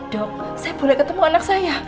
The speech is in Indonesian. dok saya boleh ketemu anak saya